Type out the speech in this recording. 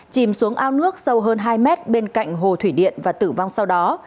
chìm xuống ao nước sâu hơn hai mét bên cạnh hồ thủy điện và tử vong sau đó